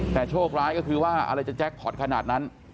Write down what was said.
แต่โชคร้ายก็คือว่าอะไรจะแจ็คพอร์ตขนาดนั้น